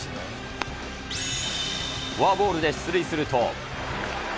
フォアボールで出塁すると。